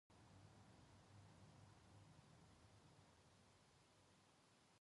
台風が接近している。